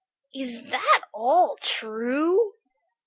"Is that all true?"